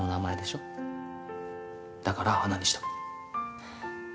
だから「花」にした。